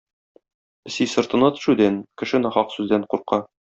Песи сыртына төшүдән, кеше нахак сүздән курка.